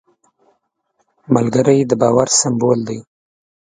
ملګری د باور سمبول دی